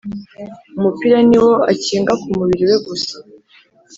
Umupira Ni wo akinga ku mubiri we gusa